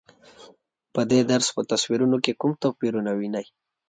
په دې درس په تصویرونو کې کوم توپیرونه وینئ؟